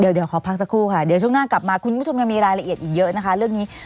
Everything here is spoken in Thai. เดี๋ยวขอพักสักครู่ค่ะเดี๋ยวช่วงหน้ากลับมาคุณผู้ชมยังมีรายละเอียดอีกเยอะนะคะเรื่องนี้